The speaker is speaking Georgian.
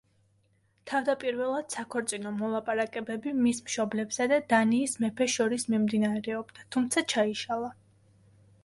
თავდაპირველად საქორწინო მოლაპარაკებები მის მშობლებსა და დანიის მეფეს შორის მიმდინარეობდა, თუმცა ჩაიშალა.